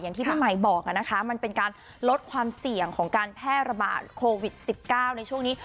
ที่พี่ใหม่บอกนะคะมันเป็นการลดความเสี่ยงของการแพร่ระบาดโควิด๑๙ในช่วงนี้